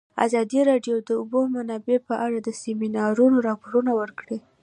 ازادي راډیو د د اوبو منابع په اړه د سیمینارونو راپورونه ورکړي.